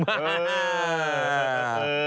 เออ